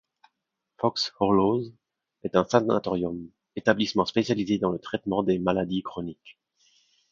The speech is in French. Fox Hollows est un sanatorium, établissement spécialisé dans le traitement de maladies chroniques.